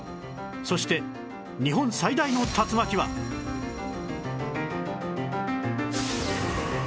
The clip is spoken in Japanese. そして日本最大の竜巻は？えっ！？